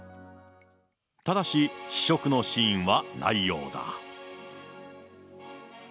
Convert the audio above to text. ただし、試食のシーンはないようだ。